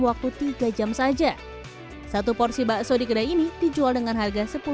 waktu tiga jam saja satu porsi bakso di kedai ini dijual dengan harga sepuluh